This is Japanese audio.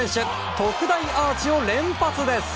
特大アーチを連発です。